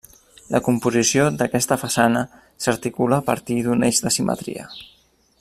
La composició d'aquesta façana s'articula a partir d'un eix de simetria.